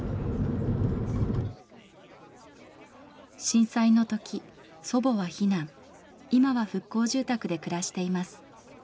震災の時祖母は避難今は復興住宅で暮らしています。